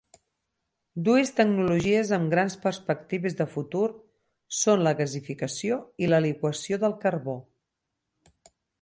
Dues tecnologies amb grans perspectives de futur són la gasificació i la liquació del carbó.